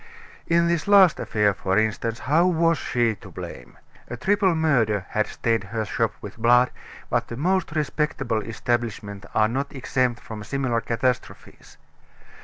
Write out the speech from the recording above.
In this last affair, for instance, how was she to blame? A triple murder had stained her shop with blood; but the most respectable establishments are not exempt from similar catastrophes.